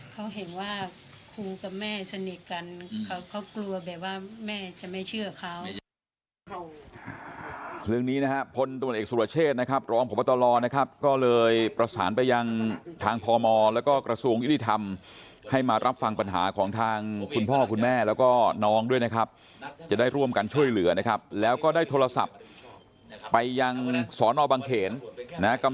เขาเห็นว่าครูกับแม่สนิทกันเขาก็กลัวแบบว่าแม่จะไม่เชื่อเขา